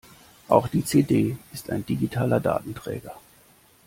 Auch die CD ist ein digitaler Datenträger.